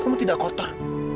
kamu tidak kotor